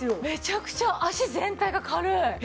めちゃくちゃ脚全体が軽い。